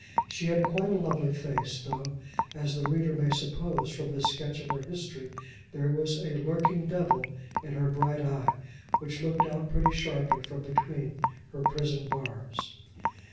She had quite a lovely face, though, as the reader may suppose from this sketch of her history, there was a lurking devil in her bright eye, which looked out pretty sharply from between her prison bars.